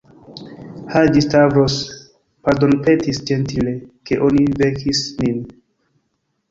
Haĝi-Stavros pardonpetis ĝentile, ke oni vekis nin.